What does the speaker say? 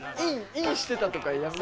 「インしてた」とかやめよ。